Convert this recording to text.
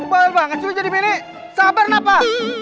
bawel banget sih lu jadi ini sabar napa